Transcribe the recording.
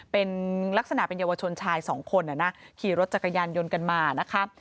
เป็นลักษณะเป็นเยาวชนชายสองคนขี่รถจักรยานยนต์กันมานะคะ